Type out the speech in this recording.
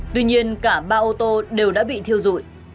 tuy nhiên cả ba ô tô đều đã bị thiêu dụi